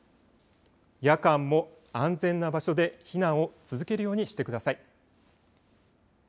夜間も安全な場所で避難を続けるようにしてください。